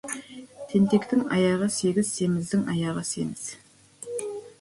Тентектің аяғы сегіз, семіздің аяғы семіз.